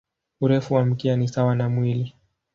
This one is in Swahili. Urefu wa mkia ni sawa na mwili.